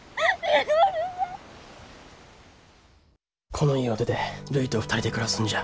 この家を出てるいと２人で暮らすんじゃ。